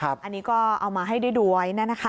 อันนี้ก็เอามาให้ได้ดูไว้